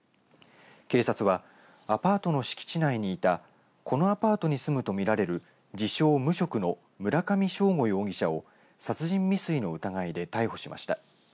警察は、アパートの敷地内にいたこのアパートに住むと見られる自称無職の村上政悟容疑者を殺人未遂の疑いで逮捕しました。